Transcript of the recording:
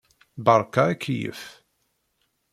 Beṛka akeyyef.